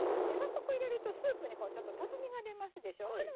雑穀入れるとスープにこうちょっととろみが出ますでしょう？